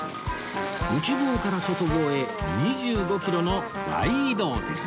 内房から外房へ２５キロの大移動です